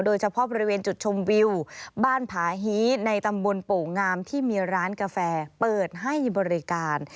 โดยเฉพาะบริเวณจุดชมวิวบ้านผาฮีในตำบลโป่งงามที่มีร้านกาแฟเปิดให้บริการ